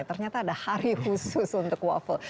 ternyata ada hari khusus untuk waffle